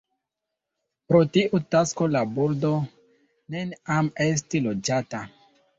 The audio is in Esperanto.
Pro tiu tasko la burgo neniam estis loĝata.